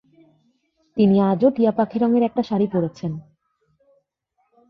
তিনি আজও টিয়াপাখি রঙের একটা শাড়ি পরেছেন।